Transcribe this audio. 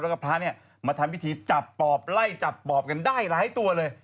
แล้วก็พระเนี่ยมาทำพิธีจับปอบไล่จับปอบกันได้หลายตัวเลย